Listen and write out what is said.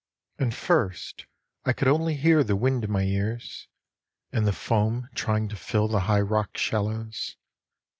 And first I could only hear the wind in my ears, And the foam trying to fill the high rock shallows.